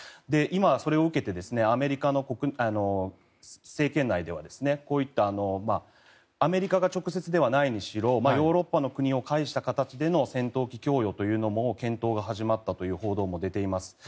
今、それを受けてアメリカの政権内ではこういったアメリカが直接ではないにしろヨーロッパの国を介した形での戦闘機供与も検討が始まったという報道も出ています。